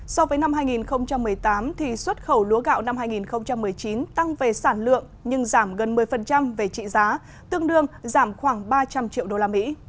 so với năm hai nghìn một mươi tám xuất khẩu lúa gạo năm hai nghìn một mươi chín tăng về sản lượng nhưng giảm gần một mươi về trị giá tương đương giảm khoảng ba trăm linh triệu đô la mỹ